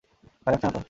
ভয় লাগছে নাতো?